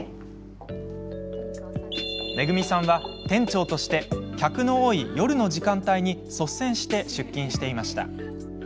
めぐみさんは店長として客の多い夜の時間帯に率先して出勤していました。